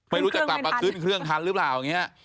ไม่รู้จะกลับมาขึ้นเครื่องทันหรือเปล่าอย่างนี้